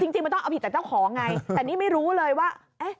จริงมันต้องเอาผิดแต่เจ้าของไงแต่นี่ไม่รู้เลยว่า